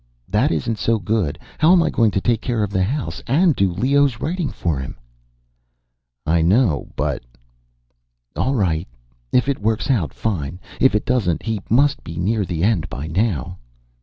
That isn't so good. How am I going to take care of the house and do Leo's writing for him?" "I know, but " "All right. If it works out, fine. If it doesn't he must be near the end by now."